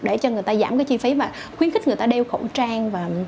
để cho người ta giảm cái chi phí và khuyến khích người ta đeo khẩu trang và